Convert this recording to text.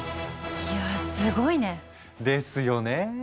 いやぁすごいね。ですよね。